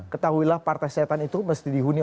ketahuilah partai setan itu mesti dihuni